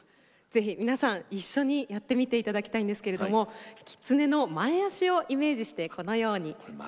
ぜひ皆さん一緒にやってみて頂きたいんですけれどもキツネの前脚をイメージしてこのように左右に。